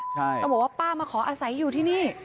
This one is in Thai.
ต้องบอกว่าป้ามาขออาศัยอยู่ที่นี่